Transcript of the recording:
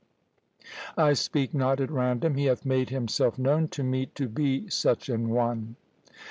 I speak not at random; he hath made himself known to me to be such an one."